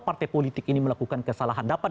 partai politik ini melakukan kesalahan dapat